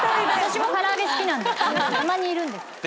たまにいるんです。